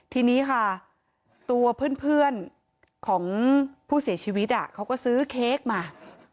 ทีนี้ค่ะตัวเพื่อนของผู้เสียชีวิตเขาก็ซื้อเค้กมา